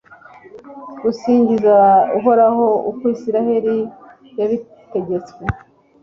gusingiza uhoraho uko israheli yabitegetswe